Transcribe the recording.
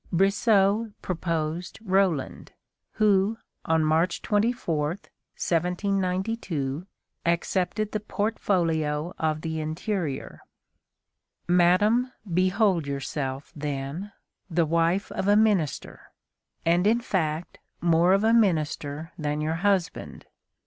Brissot proposed Roland, who, on March 24, 1792, accepted the portfolio of the Interior. Madame, behold yourself, then, the wife of a minister, and in fact more of a minister than your husband.